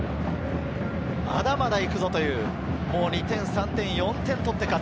まだまだ行くぞという２点、３点、４点を取って勝つ。